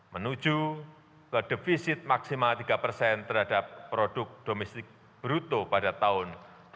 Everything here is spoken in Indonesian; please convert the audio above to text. menuju ke defisit maksimal tiga persen terhadap produk domestik bruto pada tahun dua ribu dua puluh